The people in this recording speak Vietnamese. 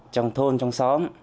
trong thôn trong xóm